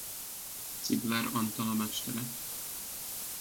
Czigler Antal a mestere.